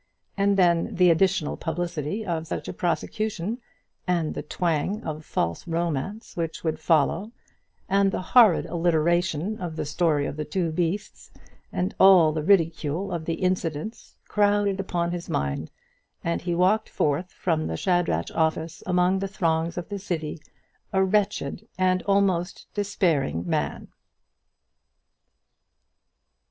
And then the additional publicity of such a prosecution, and the twang of false romance which would follow and the horrid alliteration of the story of the two beasts, and all the ridicule of the incidents, crowded upon his mind, and he walked forth from the Shadrach office among the throngs of the city a wretched and almost despairing man.